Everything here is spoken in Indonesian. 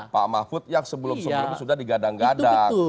pak mahfud yang sebelum sebelumnya sudah digadang gadang